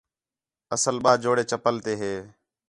اصل ٻَہہ جوڑے چَپّل تے ہے